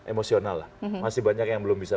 emosional lah masih banyak yang belum bisa